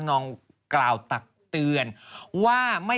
วันที่สุดท้าย